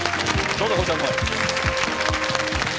どうぞこちらのほうへ。